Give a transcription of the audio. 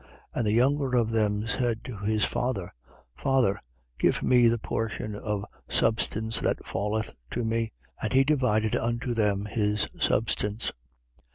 15:12. And the younger of them said to his father: Father, give me the portion of substance that falleth to me. And he divided unto them his substance.